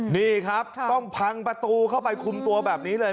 นี่ครับต้องพังประตูเข้าไปคุมตัวแบบนี้เลย